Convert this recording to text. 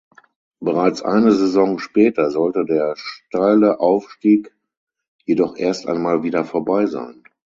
Bereits eine Saison später sollte der steile Aufstieg jedoch erst einmal wieder vorbei sein.